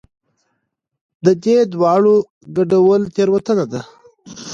د دې دواړو ګډول تېروتنه ده.